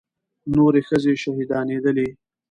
نورې ښځې شهيدانېدلې.